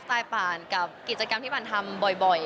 ไตล์กรณ์กับกิจกรรมที่ผ่านทำบ่อย